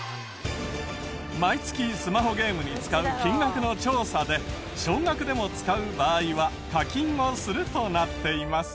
毎月スマホゲームに使う金額の調査で少額でも使う場合は「課金をする」となっています。